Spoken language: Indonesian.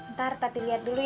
ntar tahu dilihat dulu ya